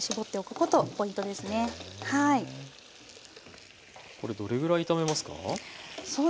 これどれぐらい炒めますか？